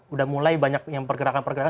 udah mulai banyak yang pergerakan pergerakan